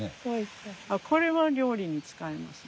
これは料理に使えますね。